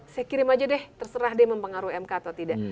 saya kirim aja deh terserah deh mempengaruhi mk atau tidak